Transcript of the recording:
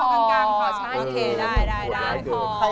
โอเคได้